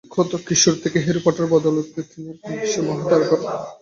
অখ্যাত কিশোর থেকে হ্যারি পটারের বদৌলতে তিনি এখন বিশ্বের মহা তারকা।